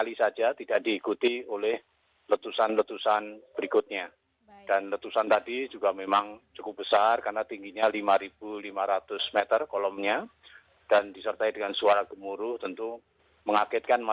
itu bukan yang pertama